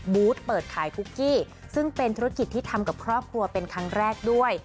บูธเปิดขายคุกกี้ซึ่งเป็นธุรกิจที่ทำกับครอบครัวเป็นครั้งแรกด้วย